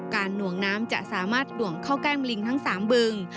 การหน่วงน้ำจะสามารถหน่วงเข้าใกล้มลิงทั้งสามเบื้อง